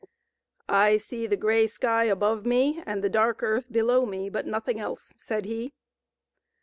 " I see the grey sky above me and the dark earth below me, but nothing else," said he.